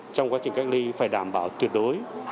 trong quá trình cách ly phải đảm bảo tuyệt đối